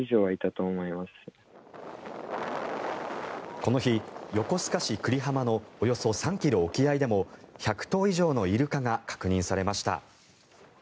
この日、横須賀市久里浜のおよそ３ｋｍ沖合でも１００頭以上のイルカが確認されました。